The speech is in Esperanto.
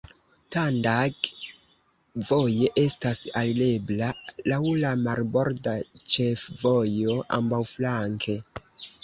Tandag voje estas alirebla laŭ la marborda ĉefvojo ambaŭflanke.